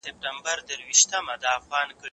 زه به سبا پوښتنه وکړم!.